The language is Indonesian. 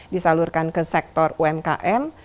disalurkan ke sektor umkm